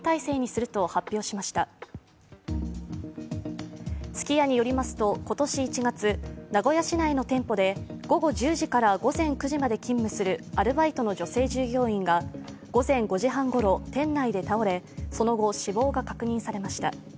すき家によりますと、今年１月名古屋市内の店舗で午後１０時から午前９時まで勤務するアルバイトの女性従業員が午前５時半ごろ、店内で倒れその後、死亡が確認されました。